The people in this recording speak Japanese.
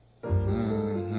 うん。